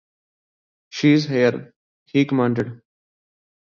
"See here," he commanded.